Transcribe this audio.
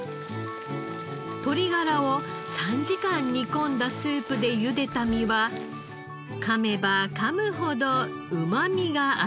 鶏ガラを３時間煮込んだスープでゆでた身はかめばかむほどうまみがあふれ出てきます。